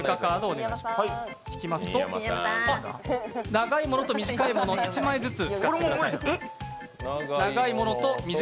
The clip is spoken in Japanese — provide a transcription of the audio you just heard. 長いものと短いものを１枚ずつ使ってください。